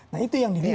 nah itu yang dilihat